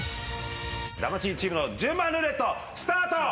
魂チームの順番ルーレットスタート！